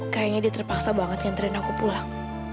kayaknya dia terpaksa banget nyanterin aku pulang